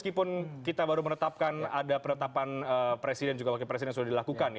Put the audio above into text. meskipun kita baru menetapkan ada penetapan presiden juga wakil presiden yang sudah dilakukan